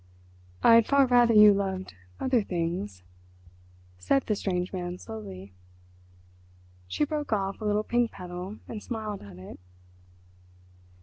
"I'd far rather you loved other things," said the strange man slowly. She broke off a little pink petal and smiled at it.